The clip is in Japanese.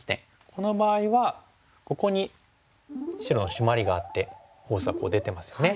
この場合はここに白のシマリがあってフォースが出てますよね。